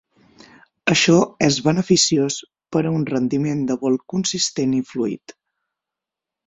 Això és beneficiós per a un rendiment de vol consistent i fluït.